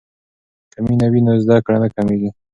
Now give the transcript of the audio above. که مینه وي نو زده کړه نه کمیږي.